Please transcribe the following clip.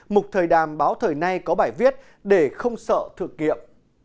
mục thời đàm báo thời nay có bài viết để không sợ thừa kiệm